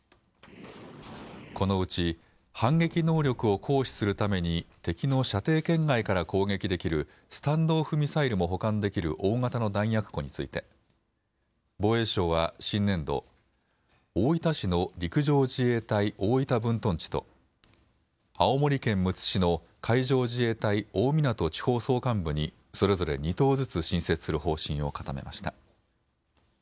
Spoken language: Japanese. このうち反撃能力を行使するために敵の射程圏外から攻撃できるスタンド・オフ・ミサイルも保管できる大型の弾薬庫について防衛省は新年度、大分市の陸上自衛隊大分分屯地と青森県むつ市の海上自衛隊大湊地方総監部にそれぞれ２棟ずつ新設する方針を固めました。